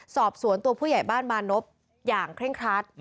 สอบสวนตัวผู้ใหญ่บ้านมานพอย่างเคร่งครัด